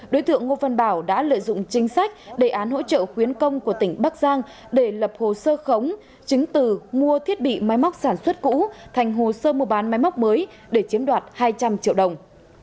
đối tượng ngô văn bảo đã lợi dụng chính sách đề án hỗ trợ khuyến công của tỉnh bắc giang để lập hồ sơ khống chứng từ mua thiết bị máy móc sản xuất cũ thành hồ sơ mua bán máy móc mới để chiếm đoạt hai trăm linh triệu đồng